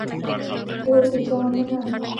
غور د جام منار لري